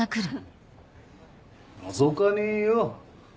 のぞかねえよ。